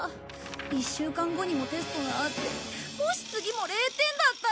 １週間後にもテストがあってもし次も０点だったら。